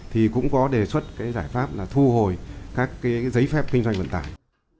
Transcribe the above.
thì cũng có đề xuất giải pháp thu hồi các giấy phép kinh doanh vận tải